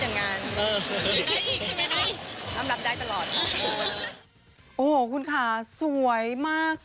จริงปีที่แล้วก็ก็หลับคลับเนอะพร้อมว่ามาเรื่อย